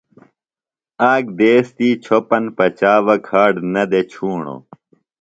آک دیس تی چھوۡپن پچا بہ کھاڈ نہ دےۡ ڇُھوݨوۡ۔